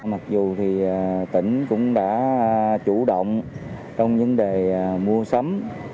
mặc dù thì tỉnh cũng đã chủ động trong vấn đề mua sắm